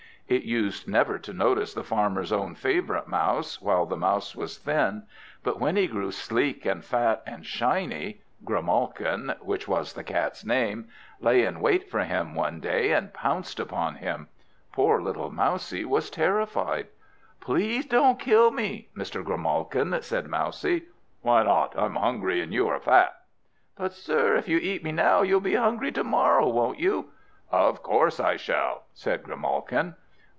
It used never to notice the Farmer's own favourite Mouse while the Mouse was thin; but when he grew sleek and fat and shiny, Grimalkin (which was the Cat's name) lay in wait for him one day and pounced upon him. Poor little Mousie was terrified. "Please don't kill me, Mr. Grimalkin!" said Mousie. "Why not? I'm hungry and you are fat!" "But, sir, if you eat me now, you'll be hungry to morrow, won't you?" "Of course I shall!" said Grimalkin.